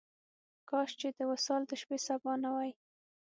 کاش چې د وصال د شپې سبا نه وای.